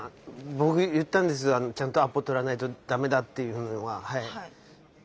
僕言ったんですちゃんとアポ取らないとダメだっていうのは。